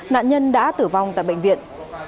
nạn nhân đã tử vong tại bệnh viện